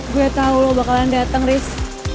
gue tau lo bakalan dateng riz